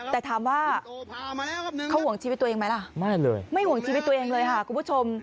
แต่ถามว่าเขาห่วงชีวิตตัวเองไหมล่ะไม่เลยไม่ห่วงชีวิตตัวเองเลยค่ะคุณผู้ชม